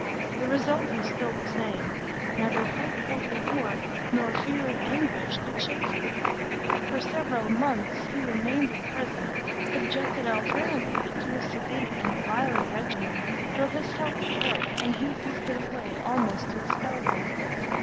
The result was still the same; neither hope of reward nor fear of anguish could shake him. For several months he remained in prison, subjected alternately to a sedative and a violent regimen, till his health broke, and he wasted away almost to a skeleton.